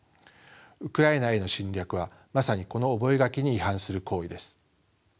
ウクライナへの侵略はまさにこの覚書に違反する行為です。